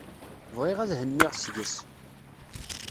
Bɣiɣ ad henniɣ seg-s.